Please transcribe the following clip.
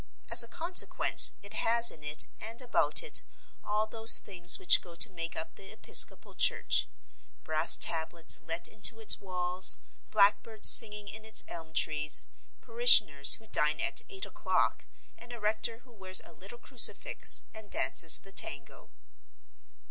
As a consequence it has in it and about it all those things which go to make up the episcopal church brass tablets let into its walls, blackbirds singing in its elm trees, parishioners who dine at eight o'clock, and a rector who wears a little crucifix and dances the tango.